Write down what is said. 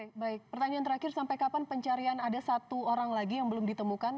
baik baik pertanyaan terakhir sampai kapan pencarian ada satu orang lagi yang belum ditemukan